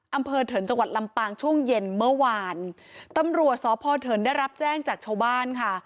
อำเภอเถินจังหวัดลำปางช่วงเย็นเมื่อวานตำรวจสพเถินได้รับแจ้งจากชาวบ้านค่ะ